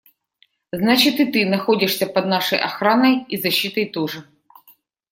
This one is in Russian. Значит, и ты находишься под нашей охраной и защитой тоже.